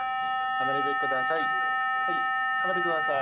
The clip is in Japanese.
離れてください。